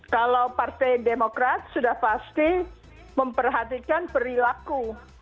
kalau partai demokrat sudah pasti memperhatikan perilaku